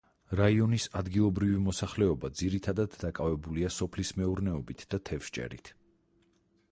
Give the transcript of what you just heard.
რეგიონის ადგილობრივი მოსახლეობა ძირითადად დაკავებულია სოფლის მეურნეობით და თევზჭერით.